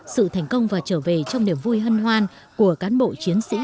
sự thành công và trở về trong niềm vui hân hoan của cán bộ chiến sĩ